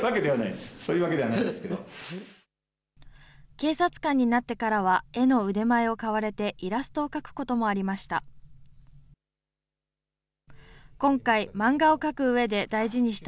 警察官になってからは、絵の腕前を買われてイラストを描くこともありました。